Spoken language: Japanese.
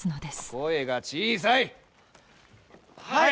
声が小さい！